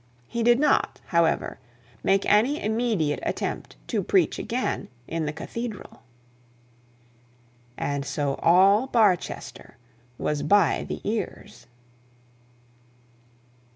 He did not, however, make any immediate attempt to preach again in the cathedral. And so all Barchester was by the ears.